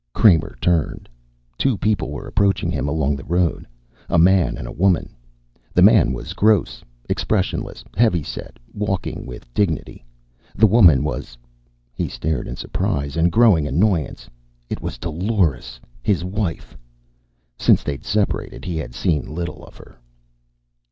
Kramer turned. Two people were approaching him along the road, a man and a woman. The man was Gross, expressionless, heavy set, walking with dignity. The woman was He stared in surprise and growing annoyance. It was Dolores, his wife. Since they'd separated he had seen little of her....